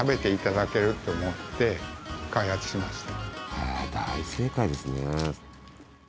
ああ大正解ですね。